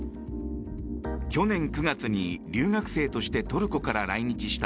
去年９月に留学生としてトルコから来日した